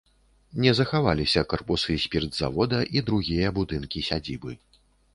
Не захаваліся карпусы спіртзавода і другія будынкі сядзібы.